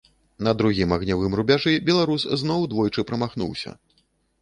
На другім агнявым рубяжы беларус зноў двойчы прамахнуўся.